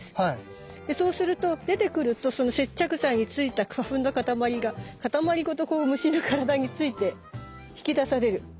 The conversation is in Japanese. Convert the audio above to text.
そうすると出てくるとその接着剤についた花粉のかたまりがかたまりごとこう虫の体について引き出される。